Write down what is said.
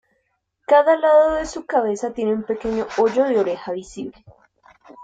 Cada lado de su cabeza tiene un pequeño hoyo de oreja visible.